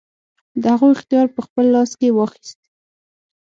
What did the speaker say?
د هغو اختیار په خپل لاس کې واخیست.